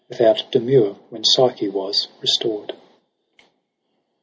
Without demur, when Psyche was restored.